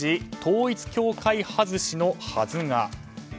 統一教会外しのはずが。